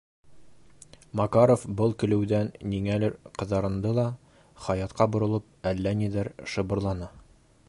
Макаров был көлөүҙән ниңәлер ҡыҙарынды ла, Хаятҡа боролоп, әллә ниҙәр шыбырланы.